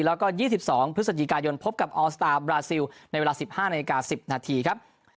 แล้วก็๒๒พฤศจิกายนพบกับออลสตาร์บราซิลในเวลา๑๕นาฬิกา๑๐นาทีครับ